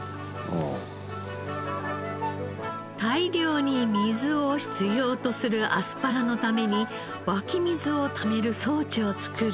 大量に水を必要とするアスパラのために湧き水をためる装置を作り。